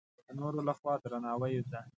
د نورو له خوا درناوی ده.